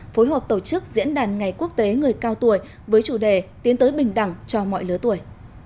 phối hợp tổ chức diễn đàn ngày quốc tế người cao tuổi với chủ đề tiến tới bình đẳng cho mọi lứa tuổi